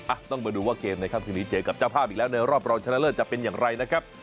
ต้องมาดูว่าเกมในค่ำคืนนี้เจอกับเจ้าภาพอีกแล้วในรอบรองชนะเลิศจะเป็นอย่างไรนะครับ